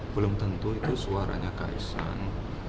belum tentu itu suaranya kaisang